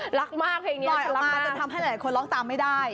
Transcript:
ปล่อยออกมาจะทำให้หลายคนร้องตามไม่ได้